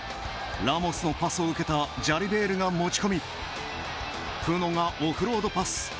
ラモスのパスを受けたジャリベールが持ち込みプノがオフロードパス。